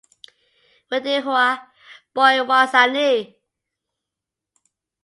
W'edeghua boi wasanu.